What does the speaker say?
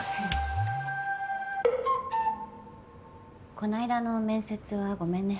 こないだの面接はごめんね。